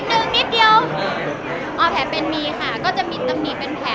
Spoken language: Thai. หนึ่งนิดเดียวอ๋อแผลเป็นมีค่ะก็จะมีตำหนิเป็นแผล